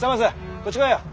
こっち来いよ。